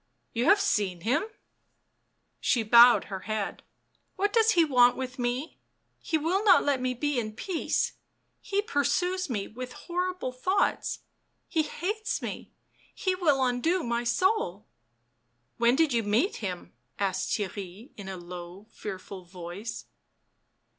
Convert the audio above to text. " You have seen him?" She bowed her head. " What does he want with me ? He will not let me be in peace — he pursues me with horrible thoughts— he hates me, be will undo my soul "" When did you meet him ?" asked Thcirry in a low fearful voice.